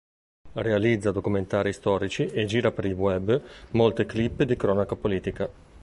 Realizza documentari storici e gira per il web molte clip di cronaca politica.